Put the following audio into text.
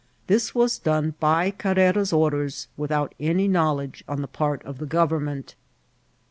This wBa done by Car^ rera's orders, without any knowledge on the part of the govemment.